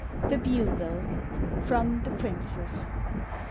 THE BUGLE. FROM " THE PRINCESS."